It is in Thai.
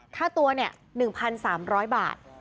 ค่าตัวเนี่ย๑๓๐๐บาท